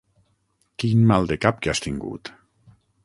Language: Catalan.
Quin mal de cap que has tingut!